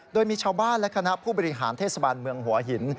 โดยมีชาวบ้านและคณะผู้บริหารเทศบาลเมืองหัวหิน